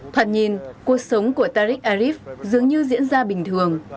thoạt nhìn cuộc sống của taric arif dường như diễn ra bình thường